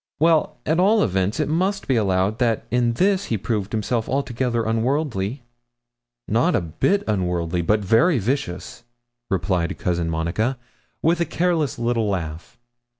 'Well, at all events, it must be allowed that in this he proved himself altogether unworldly.' 'Not a bit unworldly, but very vicious,' replied Cousin Monica, with a careless little laugh.